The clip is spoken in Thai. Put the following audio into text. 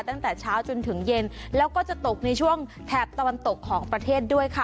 ตั้งแต่เช้าจนถึงเย็นแล้วก็จะตกในช่วงแถบตะวันตกของประเทศด้วยค่ะ